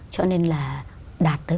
cho nên là đạt tới